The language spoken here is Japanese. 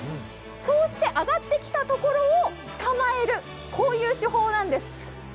そうして上がってきたところを捕まえるという手法なんです。